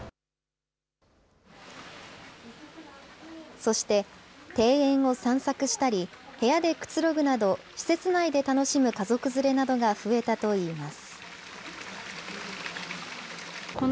そして、庭園を散策したり、部屋でくつろぐなど、施設内で楽しむ家族連れなどが増えたといいます。